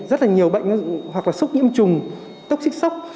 rất là nhiều bệnh hoặc là sốc nhiễm trùng tốc xích sốc